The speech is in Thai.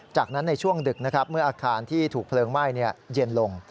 จากนั้นในช่วงดึกนะครับเมื่ออาคารที่ถูกเพลิงไหม้เย็นลง